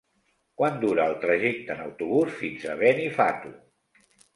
Quant dura el trajecte en autobús fins a Benifato?